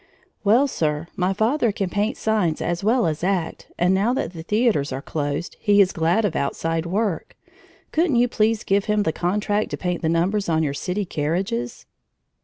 "Well, Sir, my father can paint signs as well as act, and now that the theaters are closed he is glad of outside work. Couldn't you please give him the contract to paint the numbers on your city carriages?"